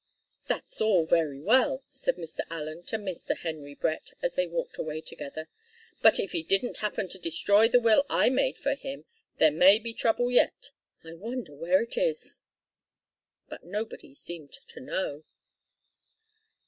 "That's all very well," said Mr. Allen to Mr. Henry Brett, as they walked away together. "But if he didn't happen to destroy the will I made for him, there may be trouble yet. I wonder where it is!" But nobody seemed to know.